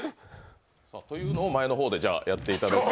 というのを前の方でやっていただいて。